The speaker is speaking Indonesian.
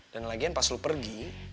lagian pas lo pergi